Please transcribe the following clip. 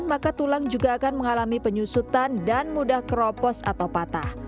maka tulang juga akan mengalami penyusutan dan mudah keropos atau patah